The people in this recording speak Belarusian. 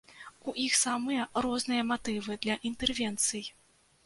У іх самыя розныя матывы для інтэрвенцый.